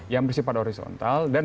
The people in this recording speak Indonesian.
yang bersifat horizontal dan